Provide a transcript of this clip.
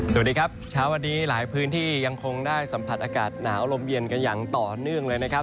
สวัสดีครับเช้าวันนี้หลายพื้นที่ยังคงได้สัมผัสอากาศหนาวลมเย็นกันอย่างต่อเนื่องเลยนะครับ